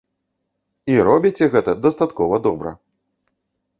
І робіце гэта дастаткова добра!